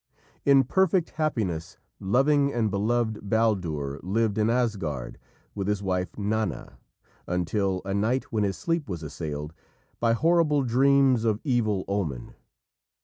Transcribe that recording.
In perfect happiness, loving and beloved, Baldur lived in Asgard with his wife Nanna, until a night when his sleep was assailed by horrible dreams of evil omen.